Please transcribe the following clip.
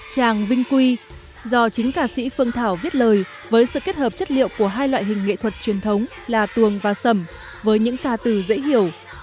tràng vinh quy do chính ca sĩ phương thảo viết lời với sự kết hợp chất liệu của hai loại hình nghệ thuật truyền thống là tuồng và sầm với những ca từ dễ hiểu